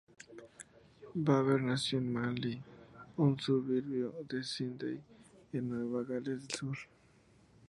Beaver nació en Manly, un suburbio de Sídney en Nueva Gales del Sur.